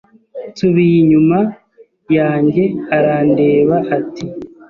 Nsubiye inyuma yanjye arandeba ati